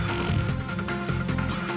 ibunya itu tapi